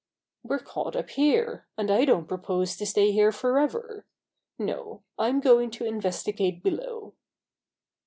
"We're caught up here, and I don't propose to stay here forever. No, I'm going to inves tigate below."